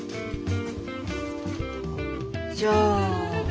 じゃあ。